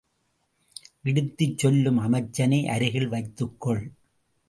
இடித்துச் சொல்லும் அமைச்சனை அருகில் வைத்துக்கொள்.